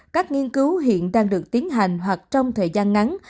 các nghiên cứu hiện đang được tiến hành hoặc trong thời gian ngắn